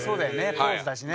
ポーズだしね。